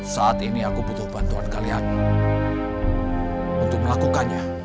saat ini aku butuh bantuan kalian untuk melakukannya